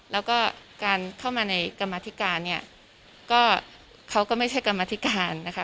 แล้วก็การเข้ามาในกรรมธิการเนี่ยก็เขาก็ไม่ใช่กรรมธิการนะคะ